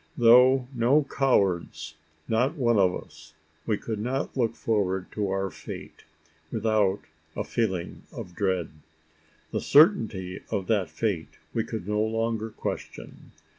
Though no cowards not one of us we could not look forward to our fate, without a feeling of dread. The certainty of that fate we could no longer question.